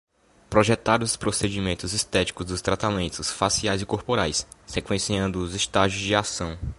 Projetar os procedimentos estéticos dos tratamentos faciais e corporais, sequenciando os estágios de ação.